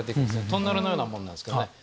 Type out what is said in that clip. トンネルのようなものなんですね。